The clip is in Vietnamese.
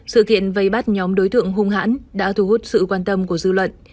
sự kiện vây bắt nhóm đối tượng hung hãn đã thu hút sự quan tâm của dư luận